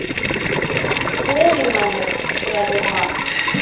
— Суомим, манеш, — кутыра Йорма.